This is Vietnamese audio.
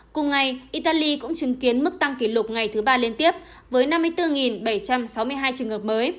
cùng ngày italy cũng chứng kiến mức tăng kỷ lục ngày thứ ba liên tiếp với năm mươi bốn bảy trăm sáu mươi hai trường hợp mới